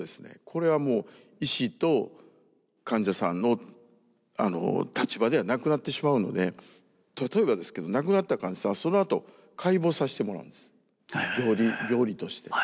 これはもう医師と患者さんの立場ではなくなってしまうので例えばですけど亡くなった患者さんはそのあと解剖させてもらうんです。病理として。